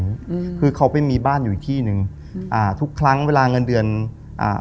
อืมคือเขาไปมีบ้านอยู่อีกที่หนึ่งอ่าทุกครั้งเวลาเงินเดือนอ่า